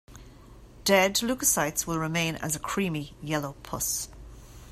Dead leukocytes will remain as a creamy yellow pus.